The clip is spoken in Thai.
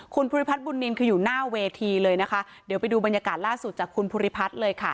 คุณภูริพัฒนบุญนินคืออยู่หน้าเวทีเลยนะคะเดี๋ยวไปดูบรรยากาศล่าสุดจากคุณภูริพัฒน์เลยค่ะ